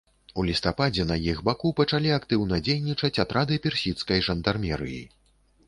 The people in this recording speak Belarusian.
У лістападзе на іх баку пачалі актыўна дзейнічаць атрады персідскай жандармерыі.